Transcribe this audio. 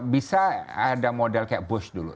bisa ada model kayak boost dulu